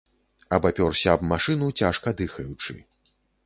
Абапёрся аб машыну, цяжка дыхаючы.